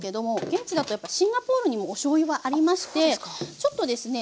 現地だとやっぱシンガポールにもおしょうゆはありましてちょっとですね